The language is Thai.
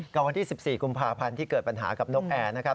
กับวันที่๑๔กุมภาพันธ์ที่เกิดปัญหากับนกแอร์นะครับ